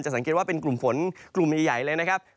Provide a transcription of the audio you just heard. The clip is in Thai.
สังเกตว่าเป็นกลุ่มฝนกลุ่มใหญ่เลยนะครับ